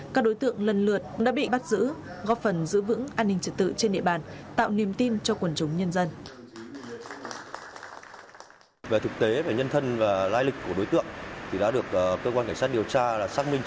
các đối tượng lần lượt đã bị bắt giữ góp phần giữ vững an ninh trật tự trên địa bàn